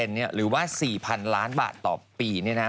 หรือว่า๔๐๐๐ล้านบาทต่อปีเนี่ยนะ